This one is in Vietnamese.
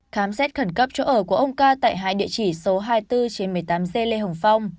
khám xét khẩn cấp chỗ ở của ông ca tại hai địa chỉ số hai mươi bốn trên một mươi tám g lê hồng phong